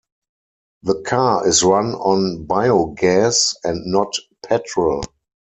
The car is run on biogas and not petrol.